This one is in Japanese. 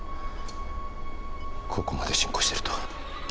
ここまで進行してるとは。